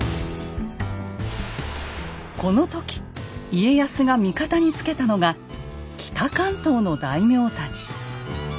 この時家康が味方につけたのが北関東の大名たち。